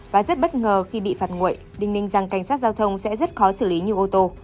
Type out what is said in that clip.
và rất bất ngờ khi bị phạt nguội đình minh rằng cảnh sát giao thông sẽ rất khó xử lý như ô tô